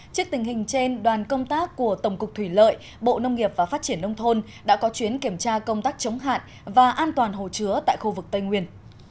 trước tình hình trên đoàn công tác của tổng cục thủy lợi bộ nông nghiệp và phát triển nông thôn đã có chuyến kiểm tra công tác chống hạn và an toàn hồ chứa tại khu vực tây nguyên